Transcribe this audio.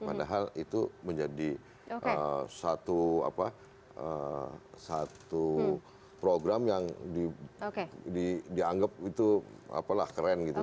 padahal itu menjadi satu program yang dianggap itu keren gitu